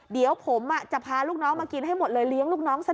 เดี๋ยวผมจะพาลูกน้องมากินให้หมดเลย